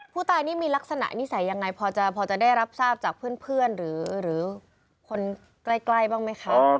ผู้ตายนี่มีลักษณะนิสัยยังไงพอจะได้รับทราบจากเพื่อนหรือคนใกล้บ้างไหมคะ